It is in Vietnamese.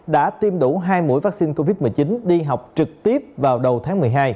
đã tiêm đủ hai mũi vaccine covid một mươi chín đi học trực tiếp vào đầu tháng một mươi hai